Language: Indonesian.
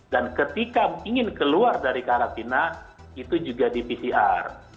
dan ketika ingin keluar dari karantina itu juga di pcr